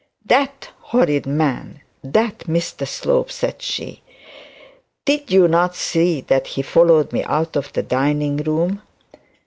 'That horrid man; that Mr Slope,' said she, 'did you not see that he followed me out of the dining room?'